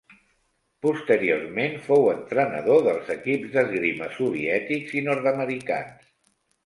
Posteriorment fou entrenador dels equips d'esgrima soviètics i nord-americans.